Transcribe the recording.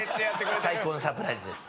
最高のサプライズです。